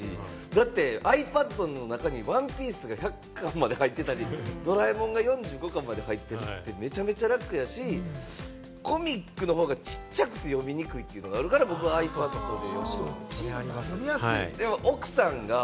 だってｉＰａｄの中に『ＯＮＥＰＩＥＣＥ』が１００巻まで入ってたり、『ドラえもん』が４５巻まで入ってるんで、めちゃめちゃ楽やし、コミックの方がちっちゃくて読みにくいっていうのがあるから僕はｉＰａｄで。